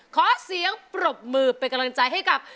ขอเสียงปรบมือเป็นกำลังใจให้กับ